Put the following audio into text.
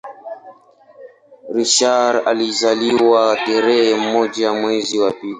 Richard alizaliwa tarehe moja mwezi wa pili